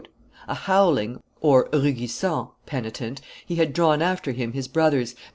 A howling (rugissant) penitent, he had drawn after him his brothers, MM.